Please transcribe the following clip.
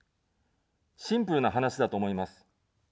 シンプルな話だと思います。